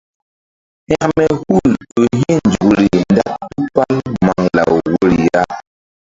Hekme hul ƴo hi̧ nzukri nda tupal maŋlaw woyri ya.